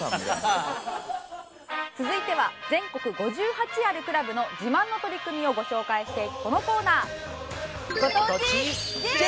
続いては全国５８あるクラブの自慢の取り組みをご紹介していくこのコーナー。